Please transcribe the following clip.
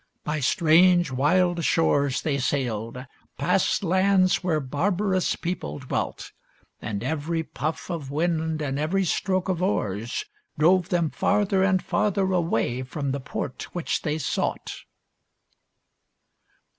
By strange, wild shores they sailed, past lands where barbarous people dwelt ; and every puff of wind and every stroke of oars drove them farther and farther away from the port which they sought.